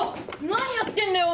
何やってんだよ？